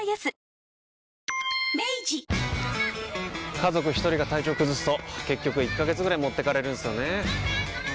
家族一人が体調崩すと結局１ヶ月ぐらい持ってかれるんすよねー。